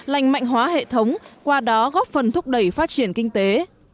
lành mạnh hóa hệ thống qua đó góp phần thúc đẩy phát triển kinh tế